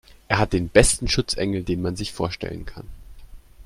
Er hat den besten Schutzengel, den man sich vorstellen kann.